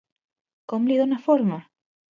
Com li dona forma?